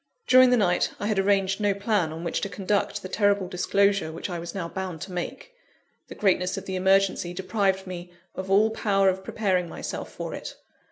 During the night, I had arranged no plan on which to conduct the terrible disclosure which I was now bound to make the greatness of the emergency deprived me of all power of preparing myself for it.